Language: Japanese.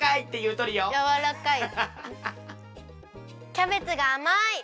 キャベツがあまい！